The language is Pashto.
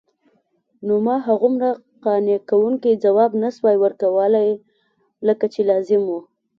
نو ما هغومره قانع کوونکی ځواب نسوای ورکولای لکه چې لازم وو.